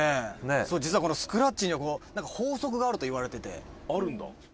「実はこのスクラッチには法則があるといわれてて」